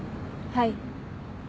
はい。